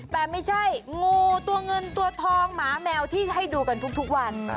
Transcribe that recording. แต่ไม่ใช่งูตัวเงินตัวทองหมาแมวที่ให้ดูกันทุกวัน